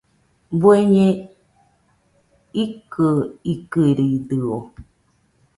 ¿Bueñe ikɨikɨridɨo?